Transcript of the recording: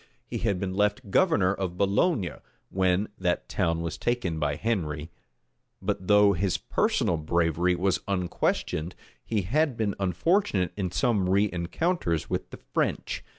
He had been left governor of Boulogne when that town was taken by Henry; but though his personal bravery was unquestioned, he had been unfortunate in some rencounters[misspelling] with the French.